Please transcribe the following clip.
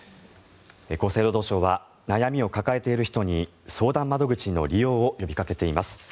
厚生労働省は悩みを抱えている人に相談窓口の利用を呼びかけています。